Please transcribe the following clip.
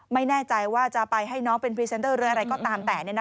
ไม่แน่ใจว่าจะไปให้น้องเป็นพรีเซนเตอร์หรืออะไรก็ตามแต่